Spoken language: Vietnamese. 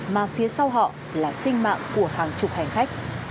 mà phía sau họ là sinh mạng của hàng chục hành khách